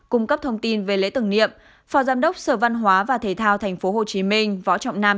cung cấp thông tin về lễ tưởng niệm phó giám đốc sở văn hóa và thể thao tp hcm